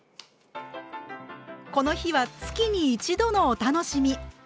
この日は月に一度のお楽しみ！